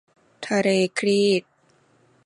ทะเลครีต